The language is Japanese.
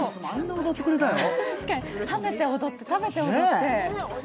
食べて踊って、食べて踊って。